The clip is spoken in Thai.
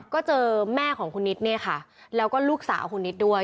ก็เจอแม่ของคุณนิดเนี่ยค่ะแล้วก็ลูกสาวคุณนิดด้วย